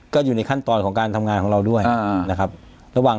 ก็อยู่ในขั้นตอนของการทำงานของเราด้วยนะครับระหว่าง